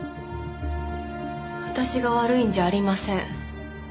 私が悪いんじゃありません。